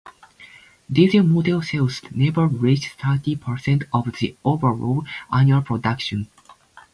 Diesel model sales never reached thirty percent of the overall annual production.